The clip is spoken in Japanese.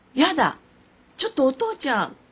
ちょっとお父ちゃん困るわ。